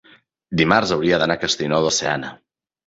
dimarts hauria d'anar a Castellnou de Seana.